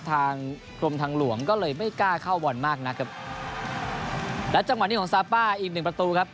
ทางกรมทางหลวงก็เลยไม่กล้าเข้าบอลมากนักครับและจังหวะนี้ของซาป้าอีกหนึ่งประตูครับ